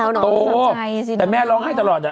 ตัวโตแต่แม่ร้องให้ตลอด